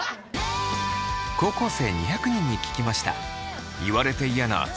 高校生２００人に聞きました。